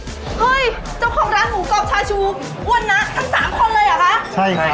เฮ้ยเจ้าของร้านหมูกรอบชาชูอ้วนนะทั้งสามคนเลยเหรอคะใช่ไง